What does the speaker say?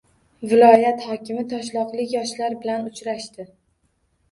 Viloyat hokimi toshloqlik yoshlar bilan uchrashdi